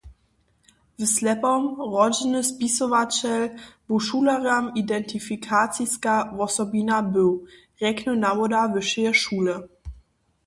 W Slepom rodźeny spisowaćel by šulerjam identifikaciska wosobina był, rjekny nawoda wyšeje šule.